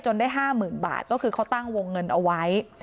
จนได้ห้าหมื่นบาทก็คือเขาตั้งวงเงินเอาไว้